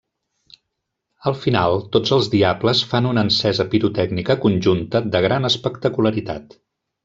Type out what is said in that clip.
Al final, tots els diables fan una encesa pirotècnica conjunta de gran espectacularitat.